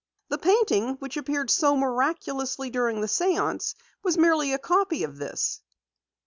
The painting which appeared so miraculously during the séance was merely a copy of this!